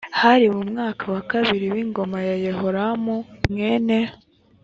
hari mu mwaka wa kabiri w ingoma ya yehoramu g mwene